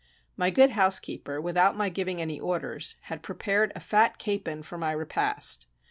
My good housekeeper, without my giving any orders, had prepared a fat capon for my repast.